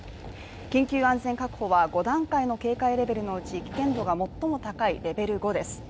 緊急安全確保は５段階の警戒レベルのうち危険度が最も高いレベル５です。